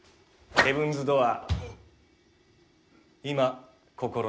ヘブンズ・ドアー。